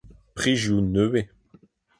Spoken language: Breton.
Prizioù nevez !